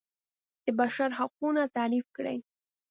د بشر حقونه تعریف کړي.